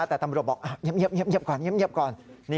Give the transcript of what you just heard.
แต่ตำรวจบอกเงียบก่อน